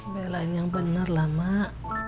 belain yang benar lah mak